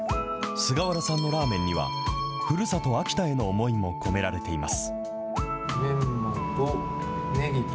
菅原さんのラーメンには、ふるさと、秋田への思いも込められています。